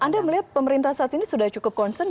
anda melihat pemerintah saat ini sudah cukup concern